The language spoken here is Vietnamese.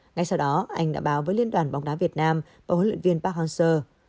ngay sau đó anh đã báo với liên đoàn bóng đá việt nam và huấn luyện viên park hang seo